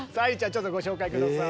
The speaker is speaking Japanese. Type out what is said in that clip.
ちょっとご紹介下さい。